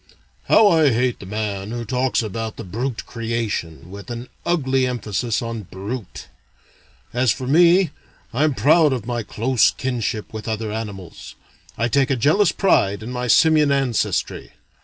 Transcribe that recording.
"How I hate the man who talks about the 'brute creation,' with an ugly emphasis on brute.... As for me, I am proud of my close kinship with other animals. I take a jealous pride in my Simian ancestry.